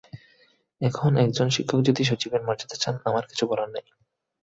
এখন একজন শিক্ষক যদি সচিবের মর্যাদা চান, আমার কিছু বলার নাই।